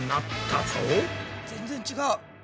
全然違う。